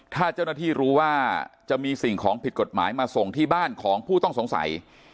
ถ้าเจ้าหน้าที่รู้ว่าจะมีสิ่งของผิดกฎหมายมาส่งที่บ้านของผู้ต้องสงสัย